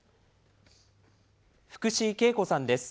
福司慶子さんです。